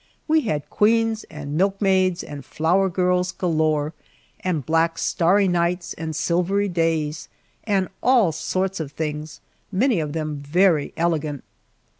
We had queens and milkmaids and flower girls galore, and black starry nights and silvery days, and all sorts of things, many of them very elegant.